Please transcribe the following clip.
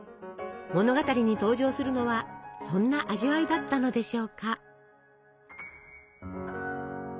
物語に登場するのはそんな味わいだったのでしょうか。